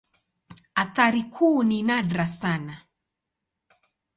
Athari kuu ni nadra sana.